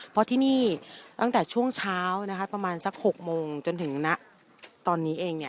เพราะที่นี่ตั้งแต่ช่วงเช้านะคะประมาณสัก๖โมงจนถึงณตอนนี้เองเนี่ย